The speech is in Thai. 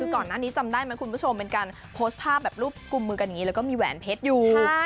ก่อนหน้านี้จะมีคุณผู้ชมที่มีคลิปรูปรุงมือกันอยู่และแต่มีแหวนเพชรอยู่